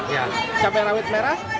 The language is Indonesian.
iya cabai rawit merah